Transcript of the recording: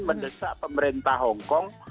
mendesak pemerintah hong kong